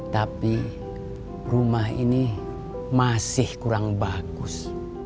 tapi rumah ini masih kurang bagus